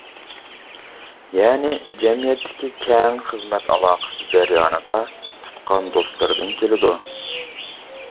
يەنى جەمئىيەتتىكى كەڭ خىزمەت ئالاقىسى جەريانىدا تۇتقان دوستلىرىدىن كېلىدۇ.